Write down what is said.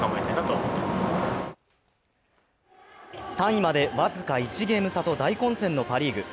３位まで僅か１ゲーム差と大混戦のパ・リーグ。